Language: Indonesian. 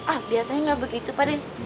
ah biasanya gak begitu padeh